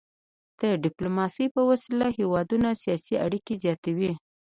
د ډيپلوماسي په وسيله هیوادونه سیاسي اړيکي زیاتوي.